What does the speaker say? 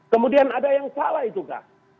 kemudian ada yang salah itu kak